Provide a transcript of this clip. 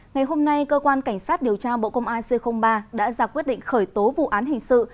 ngày hôm nay cơ quan cảnh sát điều tra bộ công an c ba đã ra quyết định khởi tố vụ án hình sự